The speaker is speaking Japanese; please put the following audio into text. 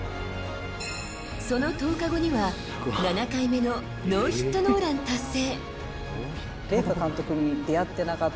その１０日後には、７回目のノーヒットノーラン達成。